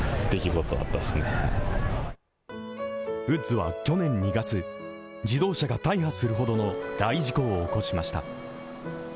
ウッズは去年２月、自動車が大破するほどの大事故を起こしました。